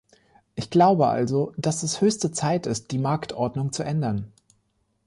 Ich glaube also, dass es höchste Zeit ist, die Marktordnung zu ändern.